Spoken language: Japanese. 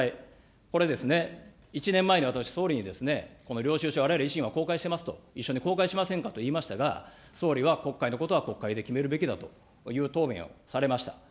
これ、１年前に私、総理に領収書、あらゆる維新は公開してますと、一緒に公開しませんかと言いましたが、総理は国会のことは国会で決めるべきだという答弁をされました。